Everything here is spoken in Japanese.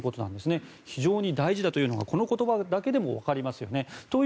非常に大事だというのがこの言葉だけでも分かりますよね。